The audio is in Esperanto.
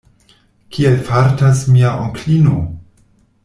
Kiel fartas mia onklino?